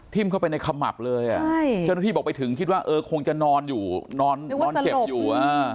ทิ้มเข้าไปในขมักเลยอ่ะจังหาที่บอกไปถึงคิดว่าคงจะนอนอยู่นอนเจ็บอยู่